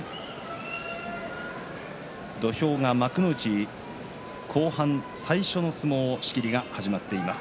土俵が幕内後半、最初の相撲仕切りが始まっています。